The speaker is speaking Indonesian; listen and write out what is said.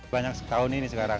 banyak tahun ini sekarang